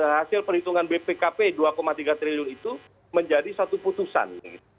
hasil perhitungan bpkp dua tiga triliun itu menjadi satu putusan